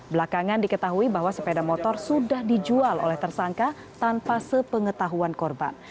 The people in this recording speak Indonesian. belakangan diketahui bahwa sepeda motor sudah dijual oleh tersangka tanpa sepengetahuan korban